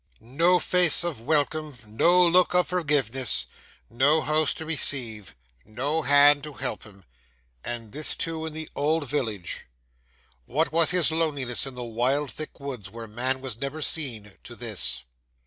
No face of welcome, no look of forgiveness, no house to receive, no hand to help him and this too in the old village. What was his loneliness in the wild, thick woods, where man was never seen, to this!